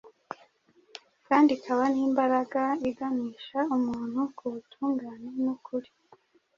kandi ikaba n’imbaraga iganisha umuntu ku butungane n’ukuri